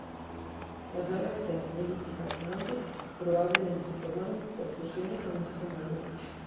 Las galaxias elípticas gigantes probablemente se formaron por fusiones a una escala mayor.